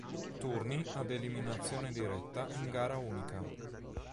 Turni ad eliminazione diretta in gara unica.